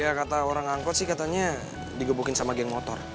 ya kata orang angkot sih katanya digebukin sama geng motor